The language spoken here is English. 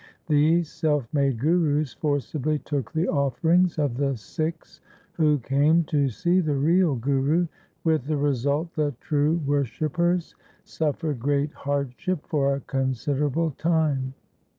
These self made gurus forcibly took the offerings of the Sikhs who came to see the real Guru, with the result that true worshippers suffered great hardship for a consider able time.